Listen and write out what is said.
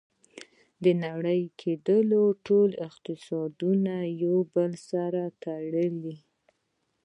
• نړیوال کېدل ټول اقتصادونه یو له بل سره تړي.